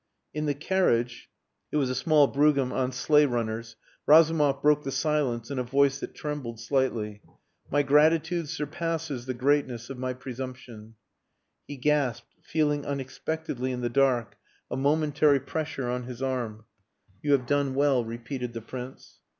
In the carriage it was a small brougham on sleigh runners Razumov broke the silence in a voice that trembled slightly. "My gratitude surpasses the greatness of my presumption." He gasped, feeling unexpectedly in the dark a momentary pressure on his arm. "You have done well," repeated the Prince.